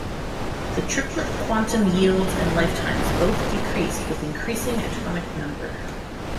The triplet quantum yields and lifetimes both decreased with increasing atomic number.